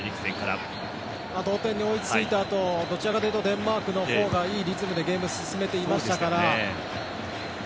同点に追いついたあとはどちらかというとデンマークの方がいいリズムでゲームを進めていましたから。